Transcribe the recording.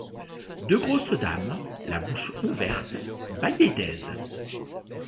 Deux grosses dames, la bouche ouverte, bâillaient d'aise.